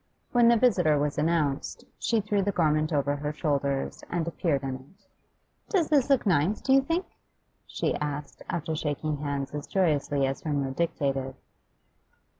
When the visitor was announced, she threw the garment over her shoulders and appeared in it. 'Does this look nice, do you think?' she asked, after shaking hands as joyously as her mood dictated.